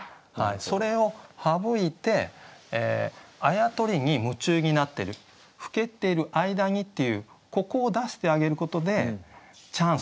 それを省いてあやとりに夢中になってる耽っている間にっていうここを出してあげることでチャンスと。